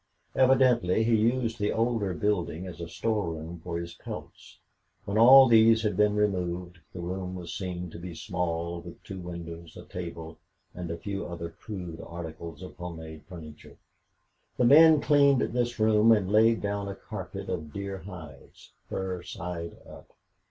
Evidently he used the older building as a storeroom for his pelts. When all these had been removed the room was seen to be small, with two windows, a table, and a few other crude articles of home made furniture. The men cleaned this room and laid down a carpet of deer hides, fur side up.